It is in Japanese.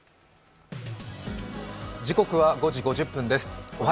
時刻は５時５０分です。